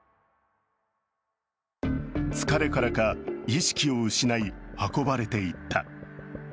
疲れからか、意識を失い運ばれていった。